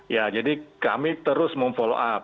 ya jadi kami terus memfollow up